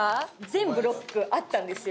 全ブロックあったんですよ